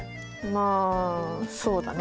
まあそうだね。